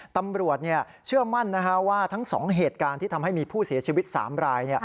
ตำรวจเชื่อมั่นว่าทั้ง๒เหตุการณ์ที่ทำให้มีผู้เสียชีวิต๓ราย